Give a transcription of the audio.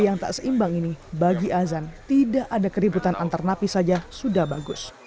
dan yang tak seimbang ini bagi azan tidak ada keributan antar napi saja sudah bagus